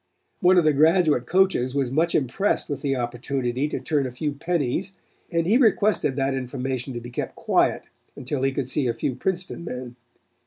One of the graduate coaches was much impressed with the opportunity to turn a few pennies and he requested that the information be kept quiet until he could see a few Princeton men.